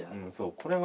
これはね